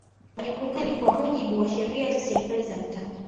Majukumu hayo ni kwa mujibu wa Sheria za serikali za mitaa